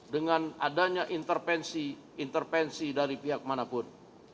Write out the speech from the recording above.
dengan adanya intervensi intervensi dari pihak manapun